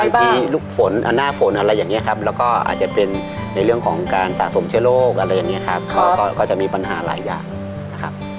ที่ลูกฝนหน้าฝนอะไรอย่างนี้ครับแล้วก็อาจจะเป็นในเรื่องของการสะสมเชื้อโรคอะไรอย่างนี้ครับก็จะมีปัญหาหลายอย่างนะครับ